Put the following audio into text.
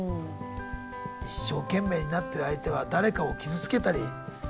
一生懸命になってる相手は誰かを傷つけたりした人だっていう。